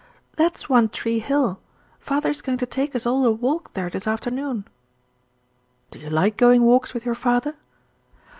"That's One tree Hill. Father is going to take us all a walk there this afternoon." "Do you like going walks with your father?"